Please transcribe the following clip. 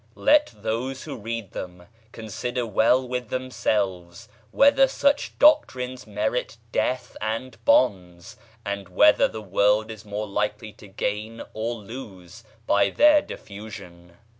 Let those who read them consider well with themselves whether such doctrines merit death and bonds, and whether the world is more likely to gain or lose by their diffusion.